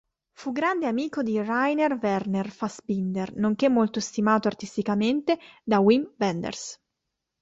Fu grande amico di Rainer Werner Fassbinder, nonché molto stimato artisticamente da Wim Wenders.